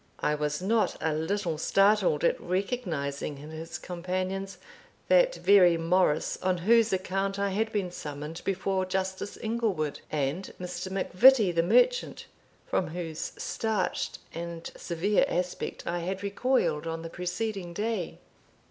I was not a little startled at recognising in his companions that very Morris on whose account I had been summoned before Justice Inglewood, and Mr. MacVittie the merchant, from whose starched and severe aspect I had recoiled on the preceding day.